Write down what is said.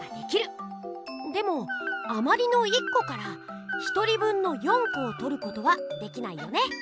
でもあまりの１こから１人分の４こをとることはできないよね！